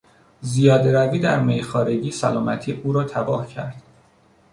زیادهروی در میخوارگی سلامتی او را تباه کرد.